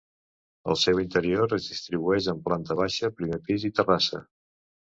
El seu interior es distribuïx en planta baixa, primer pis i terrassa.